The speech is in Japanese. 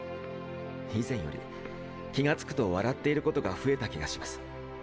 以前より気がつくと笑っていることが増えた気がします。